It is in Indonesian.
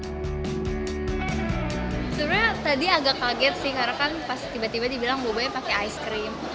sebenarnya tadi agak kaget sih karena kan pas tiba tiba dibilang bobanya pakai ice cream